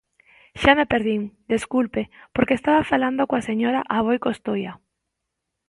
Xa me perdín, desculpe, porque estaba falando coa señora Aboi Costoia.